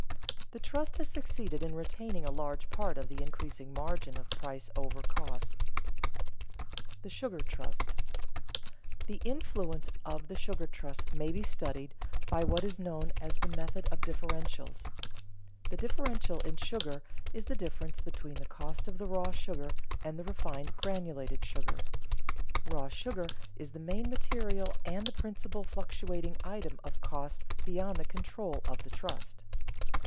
The trust has succeeded in retaining a large part of the increasing margin of price over cost. [Sidenote: The sugar trust] The influence of the sugar trust may be studied by what is known as the method of differentials. The differential in sugar is the difference between the cost of the raw sugar and the refined granulated sugar. Raw sugar is the main material and the principal fluctuating item of cost beyond the control of the trust.